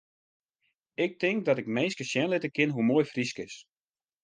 Ik tink dat ik minsken sjen litte kin hoe moai Frysk is.